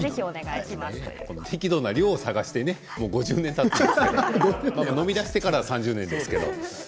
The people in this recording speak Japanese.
適度な量を探して、もう５０年たっているけれど飲み出してから３０年ですが。